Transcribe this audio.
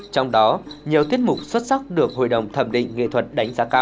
trong đó nhiều tiết mục xuất sắc được hội đồng thẩm định nghệ thuật đánh giá cao